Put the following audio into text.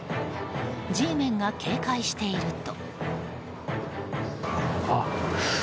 Ｇメンが警戒していると。